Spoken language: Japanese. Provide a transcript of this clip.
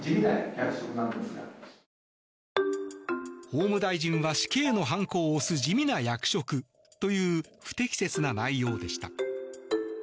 法務大臣は死刑の判子を押す地味な役職という不適切な内容でした。